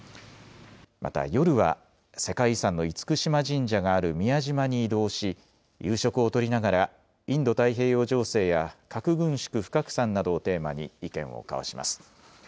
また、夜は世界遺産の厳島神社がある宮島に移動し、夕食をとりながらインド太平洋情勢や核軍縮・不拡散などをテーマに意見を交わします。